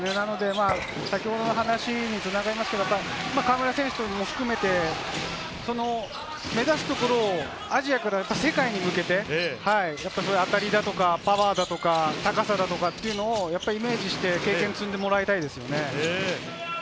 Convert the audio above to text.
先ほどの話につながりますけど、河原選手を含めて目指すところアジアから世界に向けて、当たり、パワー、高さ、そういうのをイメージして経験、積んでもらいたいですね。